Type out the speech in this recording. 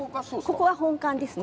ここは本館ですね。